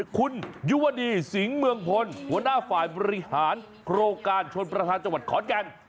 คุณยุวดีสิงห์เมืองพลหัวหน้าฝ่ายบริหารโครงการชนประธานจังหวัดขอนแก่น